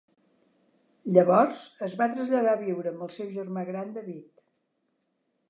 Llavors es va traslladar a viure amb el seu germà gran David.